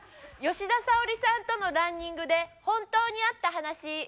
「吉田沙保里さんとのランニングで本当にあった話」。